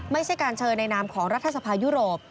ไม่ใช่การเชิญในนามของรัฐสภายุโรป